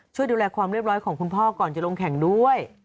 ช่วยดูแลความเรียบร้อยของคุณพ่อก่อนจะลงแข่งด้วย